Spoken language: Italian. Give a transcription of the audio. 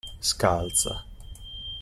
Scalza.